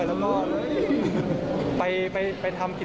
ยังเจอแยกผู้ใหญ่